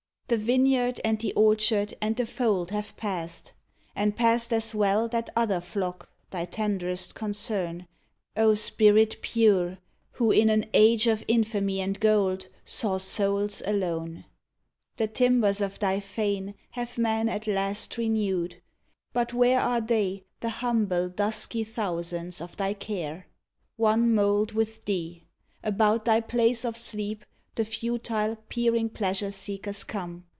The vineyard and the orchard and the fold Have passed, and passed as well that other Flock Thy tenderest concern, O spirit pure I Who, in an age of infamy and gold Saw souls alone. The timbers of thy fane 111 A't "THE GRAFE OF SERRA Have men at last renewed; but where are they, The humble, dusky thousands of thy care"? One mould with thee I About thy place of sleep The futile, peering pleasure seekers come.